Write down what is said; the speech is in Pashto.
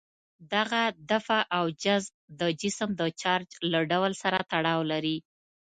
دغه دفع او جذب د جسم د چارج له ډول سره تړاو لري.